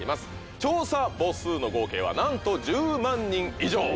調査母数の合計はなんと１０万人以上。